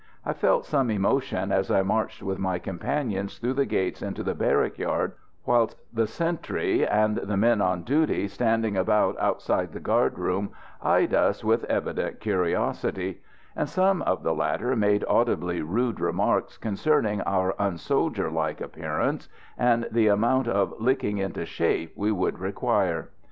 I felt some emotion as I marched with my companions through the gates into the barrack yard, whilst the sentry and the men on duty standing about outside the guard room eyed us with evident curiosity; and some of the latter made audibly rude remarks concerning our unsoldierlike appearance, and the amount of licking into shape we would require.